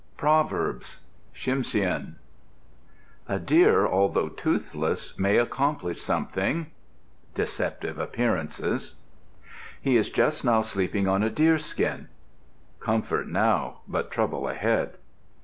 PROVERBS Tsimshian A deer, although toothless, may accomplish something. Deceptive appearances. He is just now sleeping on a deerskin. Comfort now but trouble ahead.